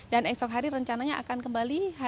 esok hari rencananya akan kembali